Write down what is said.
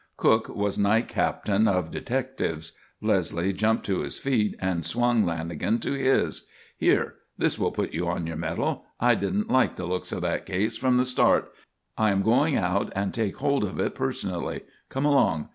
Cook was night captain of detectives. Leslie jumped to his feet and swung Lanagan to his. "Here! This will put you on your mettle. I didn't like the looks of that case from the start. I am going out and take hold of it personally. Come along.